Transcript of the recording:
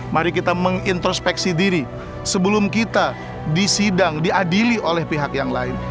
mari kita mengintrospeksi diri sebelum kita disidang diadili oleh pihak yang lain